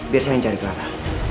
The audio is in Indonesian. biar saya yang cari clara